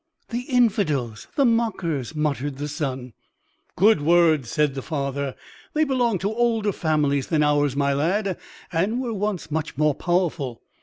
"The infidels! the mockers!" muttered the son. "Good words," said the father; "they belong to older families than ours, my lad, and were once much more powerful.